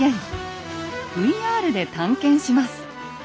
ＶＲで探検します。